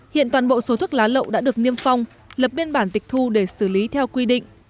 hiện toàn bộ số thuốc lá lậu đã được niêm phong lập biên bản tịch thu để xử lý theo quy định